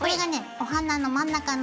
お花の真ん中の穴に。